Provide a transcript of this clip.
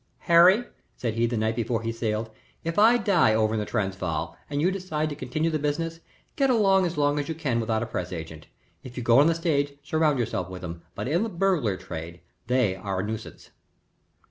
'Harry,' said he the night before he sailed, 'if I die over in the Transvaal and you decide to continue the business, get along as long as you can without a press agent. If you go on the stage, surround yourself with 'em, but in the burglary trade they are a nuisance.'"